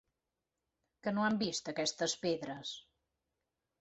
Que no han vist aquestes pedres?